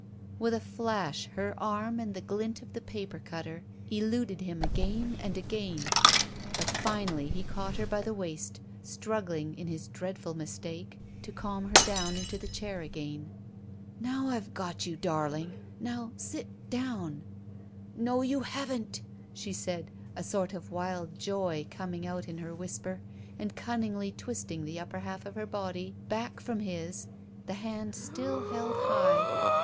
With a flash her arm and the glint of the psiper cutter eluded him again and again, but finally he caught her by the waist, struggling, in his dreadful mistalce, to calm her down into the chair again, 9%6 GUILTY *' Now I ' ve got you, darling. Now — sit — down —'' "No, you haven't," she said, a sort of wild joy coming out in her whisper, and cunningly twisting the upper half of her body back from his, the hand stiU held high.